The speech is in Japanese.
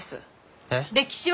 えっ？